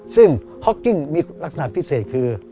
ซึ่งฮอกกิ้งมีลักษณะพิเศษคือ